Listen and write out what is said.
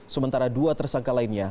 sementara dua tersangka lainnya